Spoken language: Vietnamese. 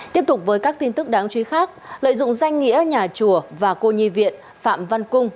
tiếp tục với các tin tức đáng chú ý khác lợi dụng danh nghĩa nhà chùa và cô nhi viện phạm văn cung